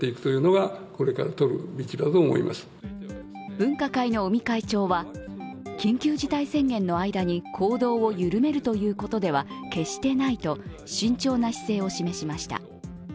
分科会の尾身会長は緊急事態宣言の間に行動を緩めるということでは決してないと慎重な姿勢を示しました。